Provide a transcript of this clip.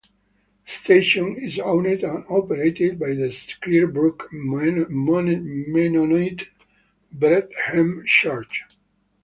The station is owned and operated by the Clearbrook Mennonite Brethren Church.